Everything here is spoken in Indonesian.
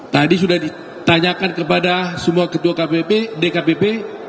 tadi sudah ditanyakan kepada semua ketua kpp dkpp